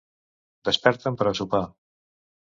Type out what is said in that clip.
Desperta'm per a sopar...